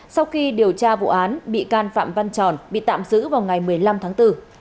sau khi điều tra vụ án bị can phạm văn tròn bị tạm giữ vào ngày một mươi năm tháng bốn